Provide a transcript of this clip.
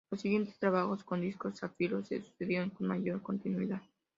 Los siguientes trabajos con Discos Zafiro se sucedieron con mayor continuidad.